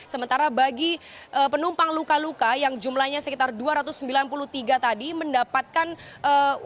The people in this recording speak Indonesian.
sementara bagi penumpang luka luka yang jumlahnya sekitar dua ratus sembilan puluh tiga tadi mendapatkan uang